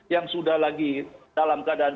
yang sudah lagi dalam keadaan